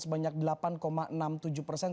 sebanyak delapan enam puluh tujuh persen